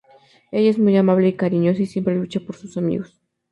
Ella es muy amable y cariñosa y siempre lucha por sus amigos.